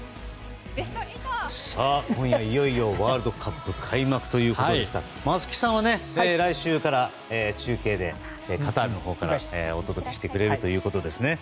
今夜いよいよワールドカップ開幕ということですから松木さんは来週から中継でカタールのほうからお届けしてくれるということですね。